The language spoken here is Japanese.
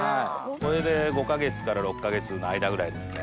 これで５か月から６か月の間ぐらいですね。